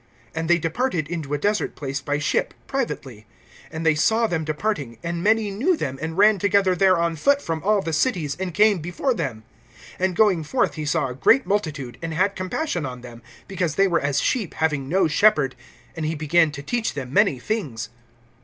(32)And they departed into a desert place by ship privately. (33)And they saw them departing, and many knew them, and ran together there on foot from all the cities, and came before them. (34)And going forth he saw a great multitude, and had compassion on them, because they were as sheep having no shepherd; and he began to teach them many things.